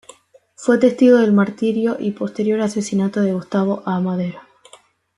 Fue testigo del martirio y posterior asesinato de Gustavo A. Madero.